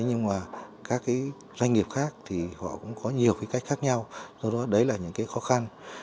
nhưng mà các doanh nghiệp khác thì họ cũng có nhiều cách khác nhau do đó đấy là những khó khăn